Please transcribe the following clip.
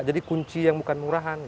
jadi kunci yang bukan murahan